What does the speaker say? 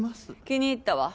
気に入ったわ。